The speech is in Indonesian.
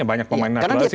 banyak pemain naturalisasi